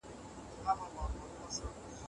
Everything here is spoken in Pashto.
دوی وویل چې سبا به ښار ته ځې.